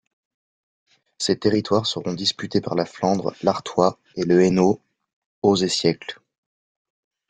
Ces territoires seront disputés par la Flandre, l’Artois et le Hainaut aux et siècles.